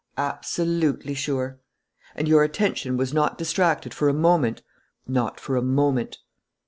"Absolutely sure." "And your attention was not distracted for a moment?" "Not for a moment."